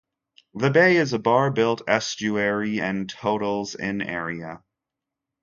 The bay is a bar-built estuary and totals in area.